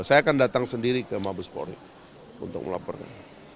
saya akan datang sendiri ke mabes polri untuk melaporkan